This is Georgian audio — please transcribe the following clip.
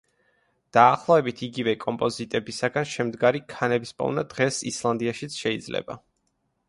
დაახლოებით იგივე კომპოზიტებისგან შემდგარი ქანების პოვნა დღეს ისლანდიაშიც შეიძლება.